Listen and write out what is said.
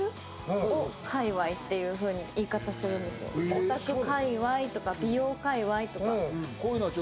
オタク界わいとか美容界わいとか。